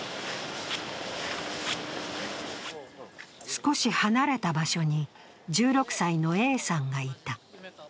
少し離れた場所に１６歳のＡさんがいた。